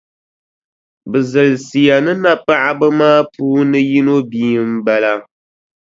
Bɛ zilisiya ni napaɣiba maa puuni yino bia m-bala.